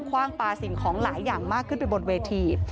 คว่างปลาสิ่งของหลายอย่างมากขึ้นไปบนเวที